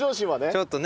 ちょっとね